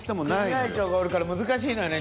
組合長がおるから難しいのよね